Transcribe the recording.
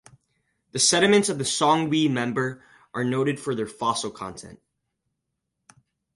The sediments of the Songwe Member are noted for their fossil content.